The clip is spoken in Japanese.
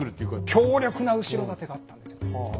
強力な後ろ盾があったんですよね。